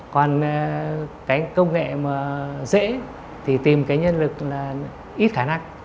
còn cái công nghệ mà dễ thì tìm cái nhân lực là ít khả năng